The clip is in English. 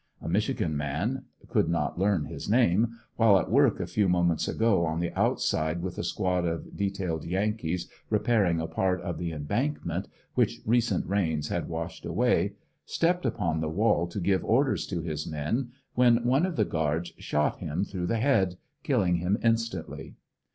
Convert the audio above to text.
A Michigan man (could not learn his name) while at work a few moments ago on the outside with a squad of detailed yankees repairing a part of the embankment which recent rains had washed away, stepped upon the wall to give orders to his men when one of the guards shot him through the head, killing him instantly.